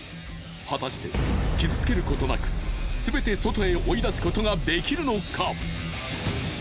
果たして傷つけることなく全て外へ追い出すことができるのか？